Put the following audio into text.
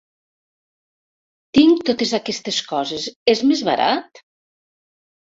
Tinc totes aquestes coses, és més barat?